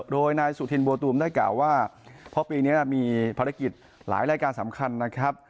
โดยนายสุธินบัวตูมได้กล่าวว่าเพราะปีนี้มีภารกิจหลายรายการสำคัญนะครับ